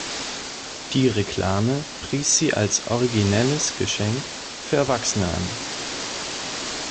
Die Reklame pries sie als originelles Geschenk für Erwachsene an.